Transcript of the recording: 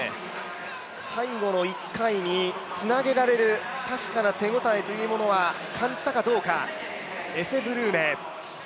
最後の１回につなげられる確かな手応えというものは感じたかどうか、エセ・ブルーメ。